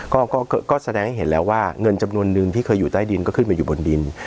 ก็ก็แสดงให้เห็นแล้วว่าเงินจำนวนนึงที่เคยอยู่ใต้ดินก็ขึ้นมาอยู่บนดิน